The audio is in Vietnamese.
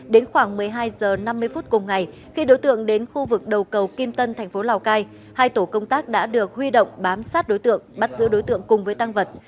đến khoảng một mươi hai h năm mươi phút cùng ngày khi đối tượng đến khu vực đầu cầu kim tân thành phố lào cai hai tổ công tác đã được huy động bám sát đối tượng bắt giữ đối tượng cùng với tăng vật